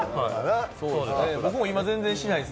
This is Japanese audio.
僕も今、全然しないです。